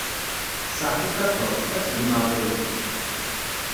Saḥit a Tom, ad t-ddmeɣ dayi.